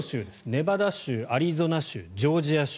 ネバダ州、アリゾナ州ジョージア州。